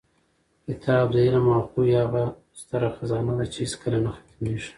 کتاب د علم او پوهې هغه ستره خزانه ده چې هېڅکله نه ختمېږي.